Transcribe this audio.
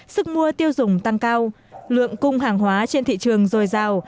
sức mua tiêu dùng tăng cao lượng cung hàng hóa trên thị trường dồi dào